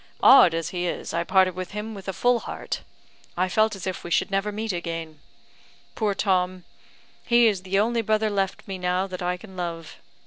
Odd as he is, I parted with him with a full heart; I felt as if we never should meet again. Poor Tom! he is the only brother left me now that I can love.